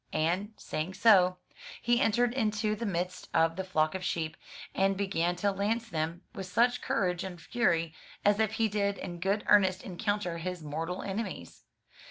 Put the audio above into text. And saying so, he entered into the midst of the flock of sheep, and began to lance them with such courage and fury as if he did in good earnest encounter his mortal enemies.